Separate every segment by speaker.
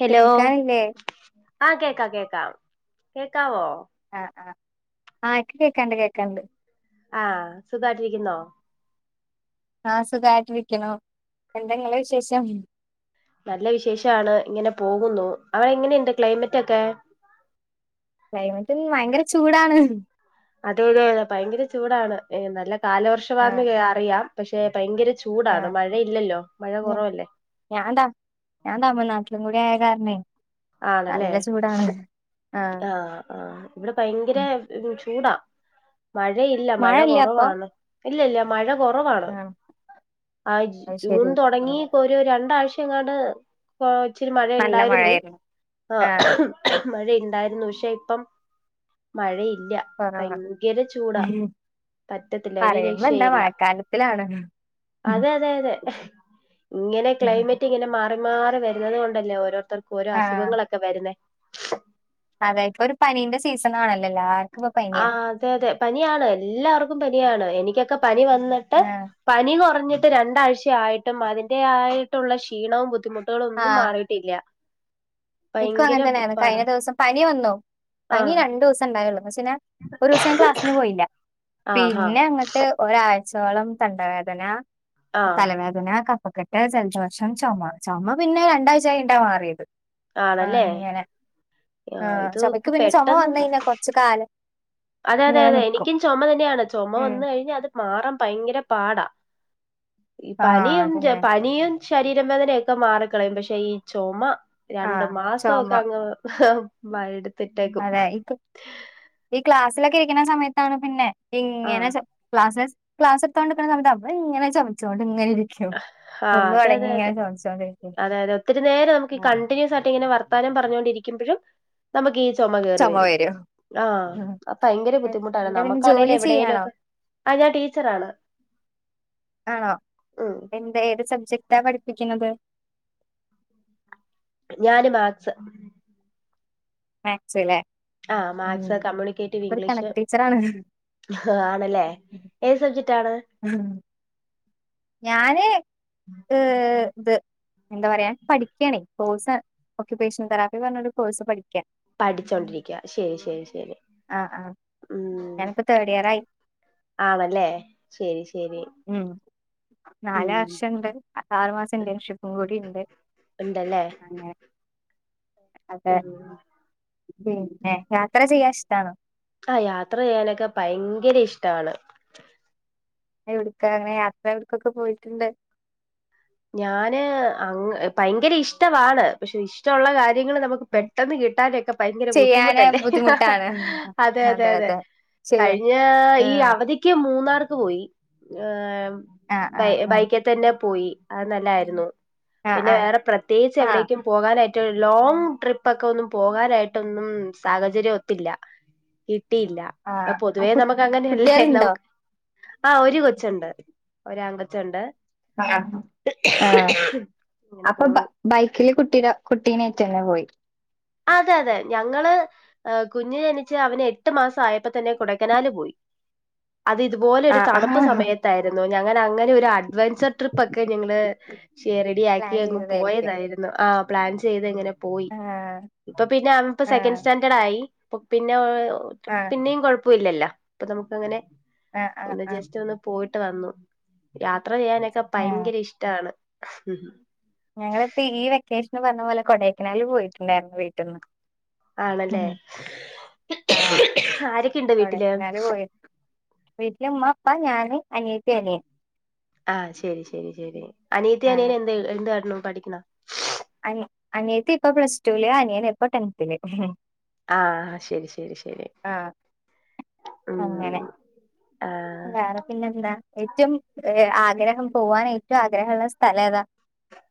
Speaker 1: Hello
Speaker 2: കേൾക്കാനില്ലേ?
Speaker 1: ആഹ് കേക്കാം കേക്കാം കേക്കാവോ
Speaker 2: ആഹ് ആഹ് ആഹ് കേക്കണണ്ട് കേക്കണണ്ട്
Speaker 1: ആഹ് സുഖായിട്ടിരിക്കുന്നോ?
Speaker 2: ആഹ് സുഖായിട്ട് ഇരിക്കണു. എന്താ ങ്ങടെ വിശേഷം?
Speaker 1: നല്ല വിശേഷാണ്. ഇങ്ങനെ പോകുന്നു അവടെ എങ്ങനെയുണ്ട് ക്ലൈമറ്റ് ഒക്കെ?
Speaker 2: ക്ലൈമറ്റ് ഭയങ്കര ചൂടാണ്.
Speaker 1: അതെ അതെ അതെ ഭയങ്കര ചൂടാണ്. എഹ് നല്ല കാലവർഷവാന്ന്
Speaker 2: ആഹ്
Speaker 1: കേ അറിയാം. പക്ഷേ ഭയങ്കര ചൂടാണ്.
Speaker 2: ആഹ്
Speaker 1: മഴയില്ലല്ലോ മഴ
Speaker 2: ഞ
Speaker 1: കൊറവല്ലേ
Speaker 2: യകാരണെ
Speaker 1: ആണല്ലേ ആഹ് ആഹ് ഇവിടെ ഭയങ്കര
Speaker 2: ഉം
Speaker 1: ചൂടാ മഴയില്ല മഴ
Speaker 2: മഴയില്ല അപ്പൊ
Speaker 1: കൊറവാണ് ഇല്ലില്ല മഴ കൊറവാണ്
Speaker 2: ആഹ്
Speaker 1: അഹ്
Speaker 2: അത്
Speaker 1: ജൂൺ
Speaker 2: ശരി
Speaker 1: തൊടങ്ങി ഇപ്പോ ഒരു രണ്ടാഴ് എങ്ങാണ്ട് പോ ഇച്ചിരി മഴ
Speaker 2: നല്ല
Speaker 1: ഇണ്ടായിര്ന്നു.
Speaker 2: മഴയായിരുന്നു
Speaker 1: ആഹ് മഴ ഇണ്ടായിരുന്നു. പക്ഷെ ഇപ്പം മഴ ഇ ഇല്ല.
Speaker 2: കൊറവാ
Speaker 1: ഭയങ്കര ചൂടാ
Speaker 2: ഉം.
Speaker 1: പറ്റത്തില്ല ഒരു
Speaker 2: പറയുമ്പോ എന്താ
Speaker 1: രക്ഷയില്ല.
Speaker 2: മഴക്കാലത്തിലാണ്
Speaker 1: അതെഅതെ അതെ ഇങ്ങനെ ക്ലൈമറ്റ് ഇങ്ങന മാറി മാറി വര്ന്നത് കൊണ്ടല്ലേ ഓരോ [unintelligible] അസുഖങ്ങളൊക്കെ വര്ന്നേ
Speaker 2: അതായപ്പൊ ഒരു പനീന്റെ സീസൺ ആണല്ലോല്ലാ
Speaker 1: ആ അതെ അതെ പനിയാണ് എല്ലാവർക്കും പനിയാണ് എനിക്കൊ പനി വന്നിട്ട്
Speaker 2: ആഹ്
Speaker 1: പനി കുറഞ്ഞി രണ്ടാഴ്ചയായിട്ടും അതിന്റെ ആായിട്ടുള്ള ക്ഷീണവുംദ് ബുദ്ധിമുട്ടുകളൊന്നും
Speaker 2: ആഹ്
Speaker 1: മാറിയിട്ടില്ല
Speaker 2: എനിക്കും
Speaker 1: ഭയങ്കര
Speaker 2: അങ്ങനെ തന്നെയരുന്നു
Speaker 1: പാടാ
Speaker 2: കഴിഞ്ഞ ദിവസം പനി വന്നോ
Speaker 1: ആ
Speaker 2: പനി രണ്ടു ദിവസം ഉണ്ടായള്ളു ഒരു ദിവസം ഞാൻ ക്ലാസ്സിന് പോയില്ല
Speaker 1: ആഹാ
Speaker 2: പിന്നെ അങ്ങോട്ട് ഒരാഴ്ച കച്ചോളം തണ്ടവേദന
Speaker 1: ആ
Speaker 2: തലവേദനക്ക പക്കെട്ട് ചലച്ച വർഷം ചുമ ചുമ പിന്നെ രണ്ടാഴ്ച ആായിണ്ടാ മാറിയത് ആ
Speaker 1: ആണല്ലേ
Speaker 2: അങ്ങനെ
Speaker 1: ആ
Speaker 2: ആഹ
Speaker 1: ഇത് ഇപ്പൊ
Speaker 2: ചുമക്ക് പിന്നെ ചുമ
Speaker 1: പെട്ടെന്നൊന്നും
Speaker 2: വന്നന്നെ കൊറച്ച കല്
Speaker 1: അതെ അതെ അതെ എനിക്കുംുമ െയാണ് ചുമ
Speaker 2: ഉം.
Speaker 1: വന്ന കഴിഞ്ഞാൽ അത് മാറാൻ ഭയങ്കര പാടാ ഈ പാന
Speaker 2: ആഹ്
Speaker 1: എ
Speaker 2: അതന്നെ.
Speaker 1: പാന ശരീര വേദനയൊക്കെ മാറിിക്കളയും പക്ഷെ ഈ ചുമ രണ്ട്
Speaker 2: ആഹ്
Speaker 1: മാസം
Speaker 2: ചുമ.
Speaker 1: ഒക്ക അങ് വായിട്
Speaker 2: അതെ ഈക്ലാസ് ക്ക ഇരിക്കുന്ന സമയത്താണ് പിന്നെ ഇങ്ങന
Speaker 1: ആഹ്
Speaker 2: സ് ക്ലാസസ് ക്ലാസ് എടുത്തോണ്ടുന്ന സമയ അവ ഇങ്ങന ചമിച്ചൊണ്ട്
Speaker 1: ആ അതെ അതെ അതെ
Speaker 2: ചോദിച്ചോണ്ടിരിക്കും
Speaker 1: അതെ അതെ ഒത്തിരി നേരം നമുക്ക് കണ്ടിന്യൂസ് ആയിട്ട് ഇങ്ങനെ വർത് താരം പറഞ്ഞോണ്ടിരിക്കുമ്പോഴും നമുക്ക് ഈ ചുമ കയറി വരും ആ ഭയങ്കര ബുദ്ധിമുട്ടാണ്
Speaker 2: എന്താ പിന്നെ
Speaker 1: നമുക്കാണേലും
Speaker 2: ജോലി
Speaker 1: എവിടെേലും
Speaker 2: ചെയ്യാണോ
Speaker 1: ഒക്കെ ആ ഞാൻ ടീച്ചറാണ്
Speaker 2: ആണോ
Speaker 1: ഉം
Speaker 2: എന്താ ഏത് സബ്ജക്ടാ പഠിപ്പിക്കുന്നത്
Speaker 1: ഞാന് മാക്സ്
Speaker 2: മാക്സല്ലേ
Speaker 1: ആ മാത്സ് കമ്മ്യൂണിക്കേറ്റീവ് ഇംഗ്ലീഷ്
Speaker 2: കണക്ക് ടീച്ചറാണ്
Speaker 1: ആണല്ലേ ഏത് സബ്ജക്ട് ആണ്
Speaker 2: ഞാനേ ഏ ത് എന്താ പറയാ പഠിക്ക് ആണ്. കോഴ്സ് ഒക്യുേപേഷണൽ തെറാപ്പി ന്ന് പർഞ്ഞൊരു കോഴ്സ് പഠിക്ക്.
Speaker 1: പഠിച്ചോണ്ടിരിക്ക ശെരി ശെരി ശെരി
Speaker 2: ആഹ് ആഹ്
Speaker 1: ഉം
Speaker 2: ഞാനിപ്പോ തേർഡ് ഇയർ ആയി
Speaker 1: ആണല്ലേ ശെരി ശെരി.
Speaker 2: നാല വർഷം ഇണ്ട്. അ ആറ് മാസം ഇന്റേൺഷിപ്പും കൂടി ഇണ്ട്.
Speaker 1: ഇണ്ടല്ലേ?
Speaker 2: അതെ
Speaker 1: ഉം
Speaker 2: പിന്നെ യാത്ര ചെയ്യാ ഇഷ്ടാണോ?
Speaker 1: ആ യാത്ര ചെയ്യാനൊക്കെ ഭയങ്കര ഇഷ്ടാണ്.
Speaker 2: എവിട്ക്കാണ് യാത്ര എവിട്ക്കൊക്കെ പോയിട്ട്ണ്ട്?
Speaker 1: ഞാന് അങ്ങ് പയങ്കര ഇഷ്ടമാണ്. പക്ഷെ ഇഷ്ടോള്ള കാര്യ ര്യങ്ങള് നമുക്ക്
Speaker 2: ഉം
Speaker 1: പെട്ടെന്ന് കിട്ടാനെക്കെ പയങ്കര
Speaker 2: ചെയ്യാന്
Speaker 1: ബുദ്ധിമുട്ടല്ലേ? ഹ് ഹ് ഹാ
Speaker 2: ബുദ്ധിമുട്ടാണ്
Speaker 1: ഹ അതെ അതെ അതെ
Speaker 2: ശരിയാ
Speaker 1: കഴിഞ്ഞ ഈ
Speaker 2: ആഹ്
Speaker 1: അവധിക്ക് മൂന്നാർക്ക് പോയി. ഏഹ് മ്
Speaker 2: ആഹ്
Speaker 1: ബൈ
Speaker 2: ആഹ്
Speaker 1: ബൈക്ക തന്നെ പോയി. അത് നല്ലായിരുന്നു.
Speaker 2: ആഹ്
Speaker 1: പിന്നെ
Speaker 2: ആഹ്
Speaker 1: വേറെ പ്രത്യേകിച്ച്
Speaker 2: ആഹ് ആഹ്
Speaker 1: എവിടേക്കും പോകാനായി മറ്റേ ലോങ് ട്രിപ്പ ഒക്കെ ഒന്നും പോകാനായിട്ടൊന്നും സാഹചര്യം ഒത്തില്ല. ട്ടിയില്ല. ഇന്ന
Speaker 2: ആഹ് ആ
Speaker 1: പൊതുവേ
Speaker 2: കു
Speaker 1: നമക്ക് അങ്ങനെയല്ലേനം
Speaker 2: കുട്ടികളുണ്ടോ
Speaker 1: ആ ഒരു കൊച്ച്ണ്ട്. ഒരാൺ കൊച്ച്ണ്ട്.
Speaker 2: ആഹ് ആ
Speaker 1: അങ്ങനെ
Speaker 2: അപ്പ ബ
Speaker 1: പോണു
Speaker 2: ബൈക്കില് കുട്ടിട കുട്ടീനെ തന്നെ പോയി.
Speaker 1: അതെ അതെ ഞങ്ങള് ഏയ് കുഞ്ഞ് ജനിച്ച് അവന് എട്ട് മാസം ആയപ്പ തന്നെ കൊടേക്കനാല് പോയി. അത് ഇതുപോലെ ഒരു
Speaker 2: ആഹ്
Speaker 1: തണ്പ്പ്
Speaker 2: ആഹ്
Speaker 1: സമയത്തായിര്ന്നു. ഞങ്ങല അങ്ങനെ ഒരു അഡ്വെഞ്ചർ ട്രിപ്പ് ഒക്കെ ഞങ്ങള് ശേ
Speaker 2: പ്ലാൻ
Speaker 1: റെഡിയാക്കി അങ്ങ്
Speaker 2: ചെയ്തതായിരിക്കും
Speaker 1: പോയതായിരുന്നു ആഹ് പ്ലാൻ ചെയ്ത് എങ്ങനെ പോയി.
Speaker 2: ആഹ്
Speaker 1: ഇപ്പ പിന്നെ അവൻപ്പ സെക്കൻഡ്
Speaker 2: ആഹ്
Speaker 1: സ്റ്റാഡേർഡ് ആയി. പിന്നെ ഓയോ
Speaker 2: ആഹ്
Speaker 1: പിന്നെയും കൊഴ ഇപ്പ ഇല്ലല്ല ഇപ്പ നമുക്ക് അങ്ങനെ
Speaker 2: ആഹ് ആഹ്
Speaker 1: ഒന്ന്
Speaker 2: ആഹ്
Speaker 1: ജസ്റ്റ് ഒന്ന് പോയി ട്ട് വന്നു. യാ- ത്ര ചെയ്യാനക്കെ പയങ്കര ഇഷ്ടാണ്.
Speaker 2: ഞങ്ങളിപ്പോ ഈ വെക്കേഷന് പറഞ്ഞ പോലെ കൊടൈക്കനാല് പോയിട്ടുണ്ടായിരുന്നു വീട്ടിന്ന്
Speaker 1: ആണല്ലേ
Speaker 2: ആഹ്
Speaker 1: ആരൊക്കെയുണ്ട് വീട്ടില്
Speaker 2: വീട്ടിൽ ഉമ്മ ഉപ്പാ ഞാന് അനിയത്തി അനിയൻ
Speaker 1: ആഹ് ശരി ശരി ശരി അനീത്തി
Speaker 2: ആഹ്
Speaker 1: അനിയന് എന്ത് എന്ത് കാട്ടുണു പഠിക്കണോ
Speaker 2: അനി അനിയത്തി ഇപ്പ പ്ലസ് ടൂല് അനിയന ഇപ്പൊ ടെൻത്തില്.
Speaker 1: ആഹ് ശരി ശരി ശരി
Speaker 2: ആ അങ്ങനെ
Speaker 1: ഉം ആഹ്
Speaker 2: വേറെ പിന്നെന്താ ഏറ്റവും ആദ്യ- ആഗ്രഹം പോകവാൻ ഏറ്റവും ആഗ്രഹമുള്ള സ്ഥലം ഏതാ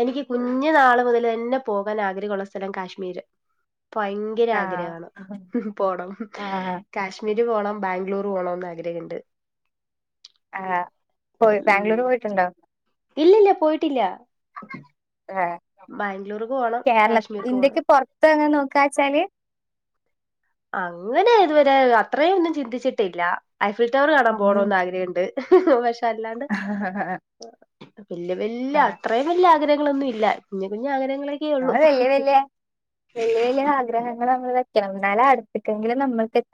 Speaker 1: എനിക്ക് കുഞ്ഞു നാള് മുതൽ തന്നെ പോകാൻ ആഗ്രഹമുള്ള സ്ഥലം കാശ്മീര് ഭയങ്കര
Speaker 2: ആഹ്
Speaker 1: ആഗ്രഹാണ് പോണം
Speaker 2: ആഹ്
Speaker 1: കാശ്മീർ പോണം ബാംഗ്ലൂർ പോണന്ന് ആഗ്രഹണ്ട്
Speaker 2: ആഹ പോയി ബാംഗ്ലൂര് പോയിട്ടുണ്ടോ
Speaker 1: ഇല്ലല്ല പോയിട്ടില്ല
Speaker 2: ആ
Speaker 1: ബാംഗ്ലൂർക്ക് പോണം
Speaker 2: കേരള
Speaker 1: കാശ്മീർക്ക് പോണം
Speaker 2: ഇന്ത്യക്ക് പൊറത്ത് അങ്ങനെ നോക്ക ക്കാച്ചാല്
Speaker 1: അങ്ങനെ ഇതുവരെ അത്രയും ഒന്നും ചിന്തിച്ചിട്ടില്ല ഐഫിൽ ടവർ കണാൻ പോണോന്ന് ആഗ്രഹണ്ട് [inaudible] അല്ലാണ്ട്
Speaker 2: ആഹ്
Speaker 1: വല്യ വല്യ അത്രയും വലിയ ആഗ്രഹ ങ്ങളൊന്നില്ല കുഞ്ഞ് കുഞ്ഞ് അങ്ങനെ
Speaker 2: നമ്മള് വല്യ വല്യ വല്യ വലിയ ആഗ്രഹങ്ങൾ നമ്മൾ വെക്കണം. എന്നാല അടുത്ത്ക്കെങ്കിലും നമ്മക്ക് എ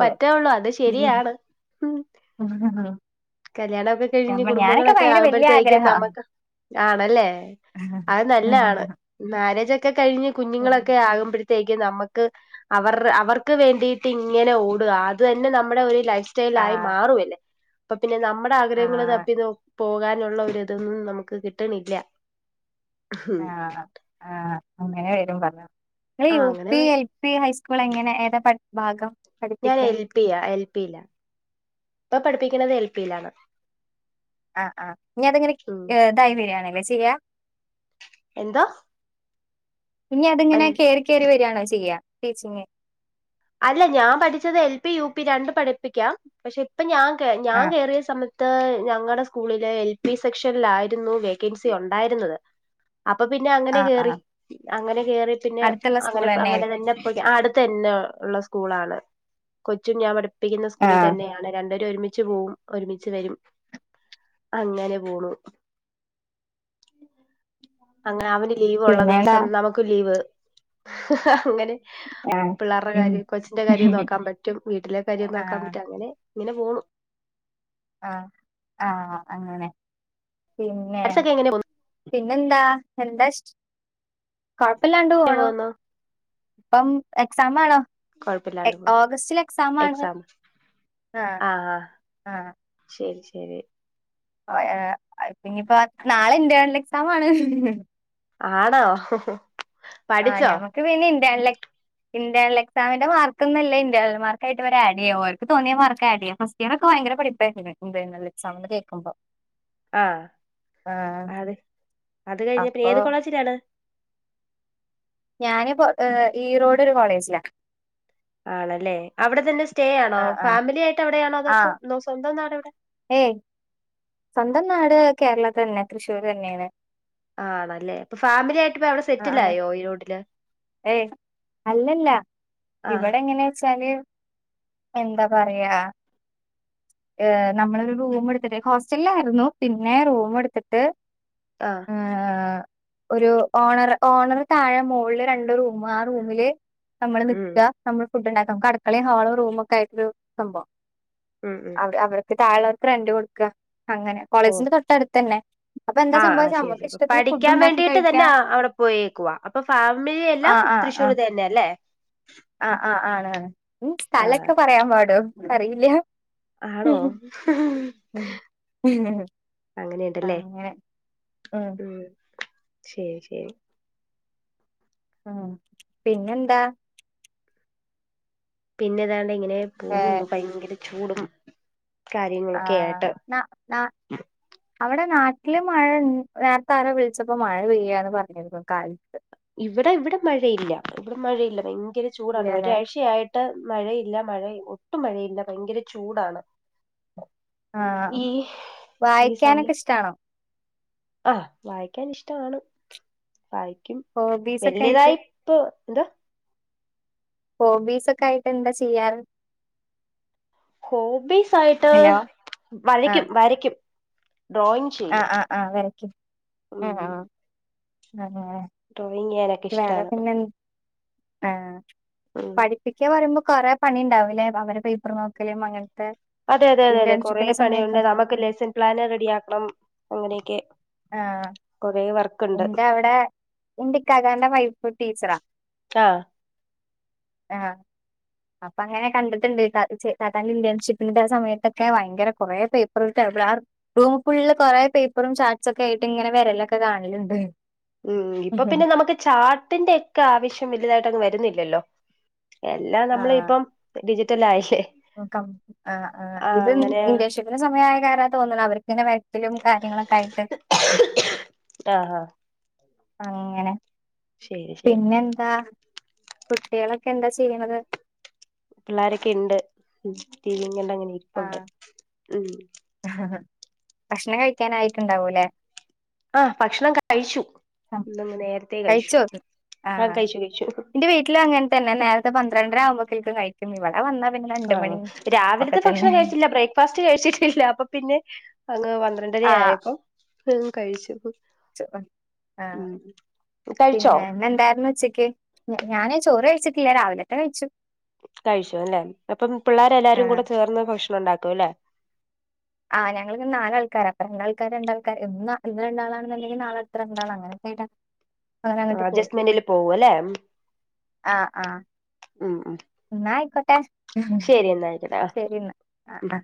Speaker 1: പറ്റൊള്ളൂ അത് ശരിയാണ് കല്യാണ ഒക്കെ കഴിഞ്ഞ്
Speaker 2: നമ്മ ഞാനൊക്കെ
Speaker 1: കുടുംബങ്ങളൊക്കെ
Speaker 2: ഭയങ്കര വല്യ
Speaker 1: ആകുമ്പോഴത്തേക്കും
Speaker 2: ആഗ്രഹാ
Speaker 1: നമുക്ക് ആണല്ലേ അത് നല്ലാണ്. മാര്യേജ് ഒക്കെ കഴിഞ്ഞ് കുഞ്ഞുങ്ങളൊക്കെ ആകുമ്പഴ തേയ്ക്ക് നമ്മക്ക് അവ അവർക്ക് വേണ്ടിയിട്ട് ഇങ്ങനെ ഓടുക അത് തന്നെ നമ്മുടെ ഒരു ലൈഫ് ലൈഫ് സ്റ്റായിലായി
Speaker 2: ആഹ്
Speaker 1: മാറുംല്ലേ പിന്നെ നമ്മുടെ ആഗ്രഹങ്ങൾ
Speaker 2: ആഹ്
Speaker 1: തപ്പി നോ പോകാനുള്ള ഒരിതൊന്നും നമുക്ക് കിട്ടണില്ല
Speaker 2: ആഹ ആഹ അങ്ങനെ വരും പറഞ്ഞു ഇങ്ങൾ
Speaker 1: ആഹ്
Speaker 2: യൂ
Speaker 1: അങ്ങനെ
Speaker 2: P L P high school എങ്ങനെ ഏതാ [unintelligible] ഭാഗം?
Speaker 1: ഞാൻ
Speaker 2: പഠിപ്പിക്കാൻ
Speaker 1: എൽ പിയാ എൽ പിയിലാ ഇപ്പൊ പഠിപ്പിക്കണത് എൽ പിയിലാണ്
Speaker 2: ആ ആ ഇനീ അതിങ്ങനെ
Speaker 1: ഉം
Speaker 2: ഏഹ് ഇതായി വെരാണ്. [unintelligible]
Speaker 1: എന്തോ?
Speaker 2: ഇനി അതിങ്ങനെ കേറി കേറി വെരാണോ ചെയ്യാ? പീച്ചിങ്ങേ
Speaker 1: അല്ല ഞാൻ പഠിച്ചത് എൽ പി യു പി രണ്ട് പഠിപ്പിക്കാം പഷേ ഞാൻ കേ ഞാൻ
Speaker 2: ആഹ്
Speaker 1: കയറിയ സമയത് ഇത്ത ഞങ്ങടെ സ്കൂളിലെ എൽ പി സെക്ഷനിലായിരുന്നു വേക്കൻസി ഒണ്ടായിരുന്നത്. അപ്പൊ പിന്നെ അങ്ങനെ
Speaker 2: ആഹ്
Speaker 1: കേറി
Speaker 2: ആഹ്
Speaker 1: അങ്ങനെ കേറി പിന്നെ
Speaker 2: അടുത്തുള്ള സ്കൂൾ
Speaker 1: അങ്ങനെ അങ്ങനെ
Speaker 2: തന്നെയായിരിക്കും
Speaker 1: തന്നെ ഇപ്പൊ ആ അടുത്തന്നെ ഏഹ് ള്ള സ്കൂളാണ് കൊച്ചും ഞാൻ പഠി പ്പിക്കുന്ന സ്കൂളി
Speaker 2: ആഹ്
Speaker 1: തന്നെയാണ് രണ്ടേരും ഒരുമി മിച്ച് പോവും ഒരുമിച്ച് വെരും അങ്ങനെ പോണു. അങ്ങനെ അവന് ലീവുള്ള
Speaker 2: പിന്നെടാ
Speaker 1: ദിവസം നമുക്ക് ലീവ് ങ് ഹ അങ്ങനെ
Speaker 2: ആഹ്
Speaker 1: പിള്ളേരുടെ
Speaker 2: ഉം
Speaker 1: കാര്യം കൊച്ചിന്റെ കാര്യം നോക്കാൻ പറ്റും വീട്ടിലെ കാര്യം നോക്കാൻ
Speaker 2: ആഹ്
Speaker 1: പറ്റും അങ്ങനെ ഇങ്ങനെ പോണു.
Speaker 2: ആ ആ അങ്ങനെ പിന്നെ
Speaker 1: ഒക്കെ എങ്ങനെ
Speaker 2: പിന്നെന്താ എന്താ ഇഷ് കൊഴപ്പില്ലാണ്ട്
Speaker 1: പോന്നു
Speaker 2: പോണു.
Speaker 1: പോന്നു
Speaker 2: ഇപ്പം എക്സാം ആണോ?
Speaker 1: കൊഴപ്പില്ലാണ്ട്
Speaker 2: ഏഹ്
Speaker 1: പോന്നു
Speaker 2: ഓഗസ്റ്റില് എക്സാമാണ്
Speaker 1: എക്സാം
Speaker 2: ആ ആ
Speaker 1: ശെരി ശെരി
Speaker 2: ഏഹ് ഇനിപ്പ നാളെ ഇന്റേണൽ എക്സാമാണ്.
Speaker 1: ആണോ?
Speaker 2: ആ
Speaker 1: പഠിച്ചോ
Speaker 2: ഞമക്ക് പിന്നെ ഇന്റേണൽ എ ഇന്റേണൽ എക്സാമിന്റെ മാർക്കൊന്നല്ല ഇന്റേണൽ മാർക്കായിട്ട് അവര് ആഡെയ്യാ അവർക്ക് തോന്നിയ മാർക്കാ ആഡെയ്യാ, ഫസ്റ്റ് ഇയറൊക്കെ ഭയങ്കര പഠിപ്പായിരുന്നു ഇന്റേണൽ എക്സാംന്ന് കേക്ക്മ്പോ.
Speaker 1: ആ അത് അത് കഴിഞ്ഞേ പിന്നെ
Speaker 2: അപ്പൊ
Speaker 1: ഏത് കോളേജിലാണ്?
Speaker 2: ഞാനിപ്പോ ഏ ഈറോഡൊരു കോളേജിലാ.
Speaker 1: ആണല്ലേ അവിടെ തന്നെ സ്റ്റേ ആണോ
Speaker 2: ആഹ് ആഹ്
Speaker 1: ഫാമിലി ആയിട്ട് അവിടെ
Speaker 2: ആഹ്
Speaker 1: ആണോപ്പം സ്വന്തം നാട് എ
Speaker 2: ഏയ് സ്വന്തം നാട് കേരളം തന്നെ തൃശ്ശൂര് തന്നെയാണ്
Speaker 1: ആണല്ലേ അപ്പോ ഫാമിലി ആയിട്ട് ഇപ്പ അവിടെ സെറ്റിൽ
Speaker 2: ആഹ്
Speaker 1: ആയോ ഈറോഡില്
Speaker 2: ഏയ് അല്ലല്ല
Speaker 1: ആഹ്
Speaker 2: ഇവിടെ എങ്ങനെയാച്ചാല് എന്താ പറയാ ഏ നമ്മളരു റൂം എടുത്തിട്ട് ഹോസ്റ്റലായിരുന്നു പിന്നെ റൂം എടുത്തിട്ട്
Speaker 1: ആ
Speaker 2: ആഹ് ഒരു ഓണർ ഓണർ താഴെ മോളില് രണ്ട് റൂം ആ റൂമില് നമ്മള്
Speaker 1: ഉം
Speaker 2: നിൽക്ക നമ്മൾ ഫുഡ്ണ്ടാക്കാം നമുക്ക് അടുക്കളയും ഹോള് റൂമ് ഒക്കെയിട്ടൊരു സംഭവം
Speaker 1: ഉം ഉം
Speaker 2: അവിടെ അവർക്ക് താഴെ റെന്റ് കൊടുക്ക അങ്ങനെ കോളേജിന്റെ തൊട്ടടുത്ത് തന്നെ അപ്പൊ എന്താ
Speaker 1: ആ ആ
Speaker 2: സംഭവിച്ച
Speaker 1: ശരി
Speaker 2: നമ്മുക്ക്
Speaker 1: ശരി അപ്പ
Speaker 2: ഇഷ്ടത്തിന് ഫുഡ്
Speaker 1: പഠിക്കാൻ
Speaker 2: ഉണ്ടാക്കി
Speaker 1: വേണ്ടിട്ട് തന്നെ
Speaker 2: കഴിക്കാ
Speaker 1: അവിടെ പോയേക്കവാ അപ്പോ ഫാമിലിയെല്ലാം തൃശ്ശൂർ തന്നെ അല്ലേ
Speaker 2: ആ ആ ആ ആണ് ഉം
Speaker 1: ആഹ്
Speaker 2: സ്ഥലൊക്കെ പറയാൻ പാടോ അറിയില്ല
Speaker 1: ആണോ
Speaker 2: ഉം
Speaker 1: ഹിഹി അങ്ങനെയുണ്ടല്ലേ
Speaker 2: അങ്ങനെ ഉം
Speaker 1: മ് ശരി ശരി
Speaker 2: ആ പിന്നെന്താ
Speaker 1: പിന്നെതാണ് ഇങ്ങനെ പോകുന്നു ഭയങ്കര ചൂടും
Speaker 2: ആ
Speaker 1: കാര്യങ്ങളൊക്കെ ആയിട്ട്
Speaker 2: നാ നാ അവിടെ നാട്ടി- ട്ടിൽ മഴ നേരത്തെ ആരോ വിളിച്ചപ്പോ മഴ പെയ്യാന്ന് പറഞ്ഞിരുന്നു കാലത്ത്-
Speaker 1: ഇവിടെ ഇവിടെ മഴയില്ല ഇവിടെ മഴയില്ല ഭയ- ങ്കര ചൂടാണ്
Speaker 2: ഇല്ലല്ലെ
Speaker 1: ഒരാഴ്‌ചയാ ട്ട മഴയില്ല മഴ ഒട്ടും മഴയില്ല ഭയങ്കര ചൂടാണ്
Speaker 2: ആഹ
Speaker 1: ഈ
Speaker 2: വായിക്കാനൊക്കെ ഇഷ്ടാണോ
Speaker 1: ആ വായിക്കാൻ ഇഷ്ടമാണ് വായിക്കും
Speaker 2: ഹോബീസ് ഒക്കെ ആയിട്ട്
Speaker 1: വലിയതായിപ്പൊ എന്ത-?
Speaker 2: ഹോബീസ് ഒക്കെ ആയിട്ട് എന്താ ചെയ്യാറ്
Speaker 1: ഹോബീസായിട്ട്
Speaker 2: ഹലോ
Speaker 1: വരയ്ക്കും
Speaker 2: ആഹ്
Speaker 1: വരയ്ക്കും ഡ്രോയിങ് ചെയ്യും
Speaker 2: ആഹ് ആഹ് ആഹ് വരക്കും
Speaker 1: ഉം
Speaker 2: ആഹ ആ അ ആ
Speaker 1: ഡ്രോയിങ്ങ് ചെയ്യാനൊക്കെ ഇഷ്ടമാണ്
Speaker 2: ആഹ പഠിപ്പിക്കാ പറയുമ്പോ കൊറേ പണി ഉണ്ടാവൂല്ലേ അവരെ പേപ്പർ നോക്കലും അങ്ങനെ
Speaker 1: അതെ അതെ അതെ അതെ കൊറേ പണിയുണ്ട് നമുക്ക് ലെസൺ പ്ലാന് റെഡി ആക്കണം അങ്ങനെയൊക്കെ
Speaker 2: ആഹ
Speaker 1: കൊറേ വർക്കുണ്ട്
Speaker 2: എന്റെ അവിടെ എന്റിക്കാക്കാന്റെ വൈഫ്‌ ടീച്ചറാ
Speaker 1: ആഹ്
Speaker 2: ആഹ് അപ്പൊ അങ്ങനെ കണ്ടിട്ടുണ്ട്. താത്താന്റെ ഇന്റേൺഷിപ്പിന്റെ ആ സമയത്തൊക്കെ ഭയങ്കര കുറേ പേപ്പറും ആ റൂമ് ഫുള്ള് കുറേ പേപ്പറും ചാർട്ട്സ് ഒക്കെ ആയിട്ട് ഇങ്ങനെ വരലൊക്കെ കാണലുണ്ട്
Speaker 1: ഉം ഇപ്പൊ പിന്നെ നമുക്ക് ചാർട്ടിന്റെ ഒക്കെ ആവശ്യം വലുതായിട്ടങ്ങ് വര- രുന്നില്ലല്ലോ എല്ലാം നമ്മള് ഇപ്പം ഡിജി- റ്റലായില്ലെ
Speaker 2: ക്കം ഇത്
Speaker 1: അങ്ങനെ
Speaker 2: ഇന്റേൺഷിപ്പിന്റെ സമയമായ കാരണം തോന്നണ് അവർക്കിങ്ങനെ വരക്കലും കാര്യങ്ങളൊക്കെ ആയിട്ട്
Speaker 1: ആഹ് ആഹ്
Speaker 2: അങ്ങനെ
Speaker 1: ശരി ശരി
Speaker 2: പിന്നെ എന്താ കുട്ടികളൊക്കെ എന്താ ചെയ്യണത്
Speaker 1: പിള്ളാരൊക്കെ ഉണ്ട്ങ്ങന പ്പുണ്ട്
Speaker 2: ആഹ്
Speaker 1: ഉ
Speaker 2: ഭക്ഷണം കഴിക്കാനായിട്ടുണ്ടാവൂലെ
Speaker 1: ആഹ ഭക്ഷണം കഴിച്ചു നേരത്തെേ കഴിച്ചു
Speaker 2: കഴിച്ചോ
Speaker 1: ആഹ
Speaker 2: ആഹ്
Speaker 1: കഴിച്ചു കഴിച്ചു
Speaker 2: ഇത് പന്ത്രണ്ടര ആുമ്പോക്കക്ക് കഴിക്കും ഇവിടെ വന്ന
Speaker 1: ആണോ രാവിലത്തെ ഭ കഴിച്ചില്ല ബ്രേക്ക്ഫാസ്റ്റ് കഴിച്ചിട്ടില്ല അ പിന്ന അ ന്ത്രണ്ടരയായ ഇപ്പൊ കഴിച്ചു
Speaker 2: ആഹ
Speaker 1: ഉം കഴിച്ചോ
Speaker 2: പിന്നെ എന്ന എന്തായിന്ന് വെച്ചേക്ക്േ ഞാനേ ചോറ് കഴിച്ചി രാവിലെട്ടെ കഴിച്ചു
Speaker 1: കഴിച്ചു അല്ലെ അപ്പം പിള്ളേരെ എല്ലാരും
Speaker 2: ആഹ്
Speaker 1: കൂടെ ചേർന്ന് ഭക്ഷണം ഉണ്ടാക്കും അല്ലേ
Speaker 2: ആഹ ഞങ്ങ ഇ നാലാൾക്കാർ അപ്പ രണ്ടാൾക്കാര് രണ്ടാൾക്കാർ എന്ന ഇന്ന് രണ്ടാളാണെന്നുണ്ടെങ്കിൽ നാളെ അത്ര രണ്ടാള അങ്ങനെയൊക്കെ ആട്ടാ അങ്ങനെ അങ്ങോട്ട് പോ
Speaker 1: അഡ്ജസ്റ്റ്മെന്റിൽ പോവും അല്ലെ
Speaker 2: ആ ആ
Speaker 1: ഉം ഉം
Speaker 2: എന്നായിക്കോട്ടെ
Speaker 1: ശരി എന്നാ ആയിക്കോട്ടെ ആഹ്
Speaker 2: ശരി എന്നാ ആ ആ